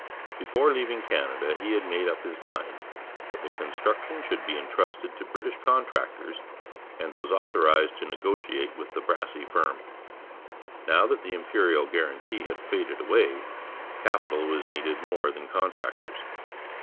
Before leaving Canada he had made up his mind that the construction should be entrusted to British contractors, and was authorized to negotiate with the Brassey firm. Now that the Imperial guarantee had faded away, capital was needed more than contractors.